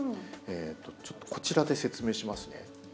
ちょっとこちらで説明しますね。